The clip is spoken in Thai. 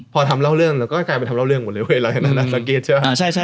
พอทำเล่าเรื่องเราก็กลายเป็นทำเล่าเรื่องหมดเลยเว้ยเราอย่างนั้นนะสังเกตเช่า